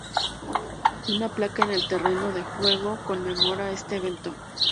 Una placa en el terreno de juego conmemora este evento.